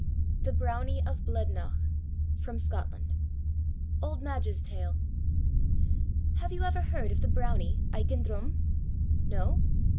_" THE BROWNIE OF BLEDNOCH From Scotland OLD MADGE'S TALE Have you ever heard of the Brownie, Aiken Drum? No?